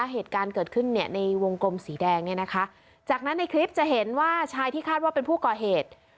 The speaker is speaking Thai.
เหตุการณ์เกิดขึ้นเนี่ยในวงกลมสีแดงเนี่ยนะคะจากนั้นในคลิปจะเห็นว่าชายที่คาดว่าเป็นผู้ก่อเหตุ